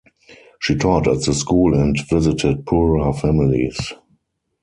She taught at the school and visited poorer families.